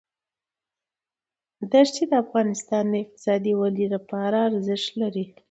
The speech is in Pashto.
ښتې د افغانستان د اقتصادي ودې لپاره ارزښت لري.